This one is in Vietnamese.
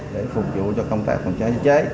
để phục vụ cho công tác phòng cháy chữa cháy